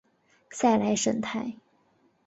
塞莱什泰。